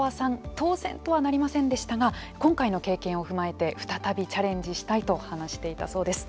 当選とはなりませんでしたが今回の経験を踏まえて再びチャレンジしたいと話していたそうです。